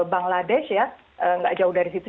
bangladesh ya nggak jauh dari situ